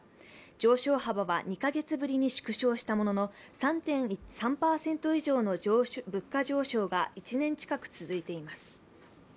上昇幅は２か月ぶりに縮小したものの３％以上の物価上昇が１年近く続いています。